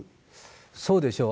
そうでしょう。